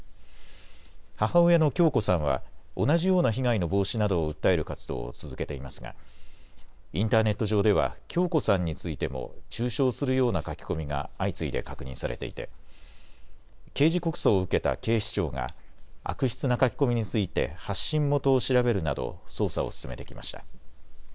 母親の響子さんは同じような被害の防止などを訴える活動を続けていますがインターネット上では響子さんについても中傷するような書き込みが相次いで確認されていて刑事告訴を受けた警視庁が悪質な書き込みについて発信元を調べるなど捜査を進めてきました。